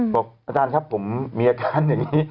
อาจารย์ครับผมมีอาการอย่างนี้